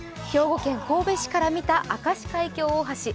兵庫県神戸市から見た明石海峡大橋。